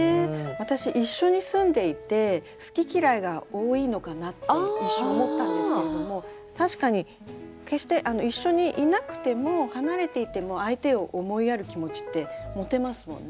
私一緒に住んでいて好き嫌いが多いのかなって一瞬思ったんですけれども確かに決して一緒にいなくても離れていても相手を思いやる気持ちって持てますもんね。